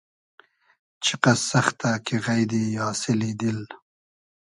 چیقئس سئختۂ کی غݷدی آسیلی دیل